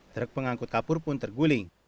truk pengangkut kapur pun terguling